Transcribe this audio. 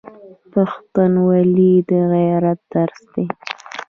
پښتونولي د غیرت درس دی.